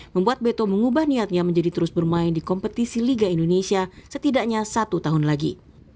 membuat beto mengubah niatnya menjadi terus bermain di kompetisi liga indonesia setidaknya satu tahun lagi